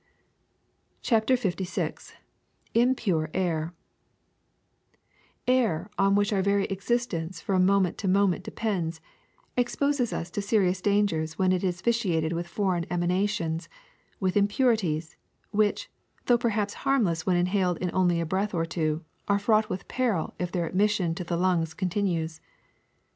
'^ a A CHAPTER LVI IMPURE AIR IR, on which our very existence from moment to moment depends, exposes us to serious dan gers when it is vitiated with foreign emanations, with impurities, which, though perhaps harmless when inhaled in only a breath or two, are fraught with peril if their admission to the lungs continues.